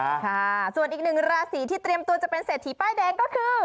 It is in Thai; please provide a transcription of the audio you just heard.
ค่ะส่วนอีกหนึ่งราศีที่เตรียมตัวจะเป็นเศรษฐีป้ายแดงก็คือ